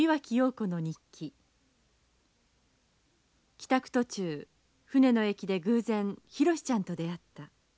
「帰宅途中船の駅でぐう然浩史ちゃんと出あった。